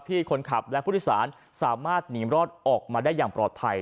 คนขับและผู้โดยสารสามารถหนีรอดออกมาได้อย่างปลอดภัย